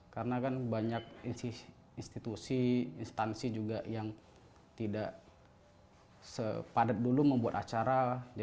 karena jarang dibilang banyak instansi juga yang tidak sepadan dulu membuat acara